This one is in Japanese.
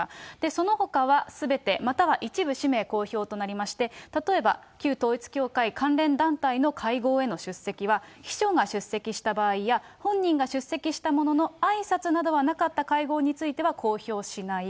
そのほかはすべて、または一部氏名公表となりまして、例えば旧統一教会関連団体の会合への出席は、秘書が出席した場合や本人が出席したもののあいさつなどはなかった会合については公表しない。